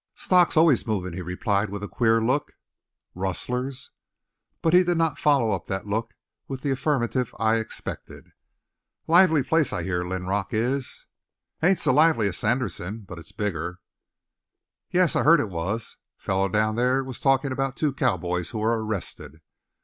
"Stock's always movin'," he replied with a queer look. "Rustlers?" But he did not follow up that look with the affirmative I expected. "Lively place, I hear Linrock is?" "Ain't so lively as Sanderson, but it's bigger." "Yes, I heard it was. Fellow down there was talking about two cowboys who were arrested."